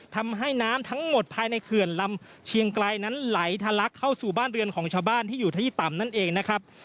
ทำให้น้ำทั้งหมดภายในเขื่อนลำเชียงไกลนั้นไหลทะลักเข้าสู่บ้านเรือนของชาวบ้านที่อยู่ที่ต่ำนั่นเองนะครับ